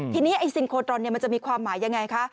ทีนี้ไอ้เซ็นทรอนมันจะมีความหมายอย่างไรคะ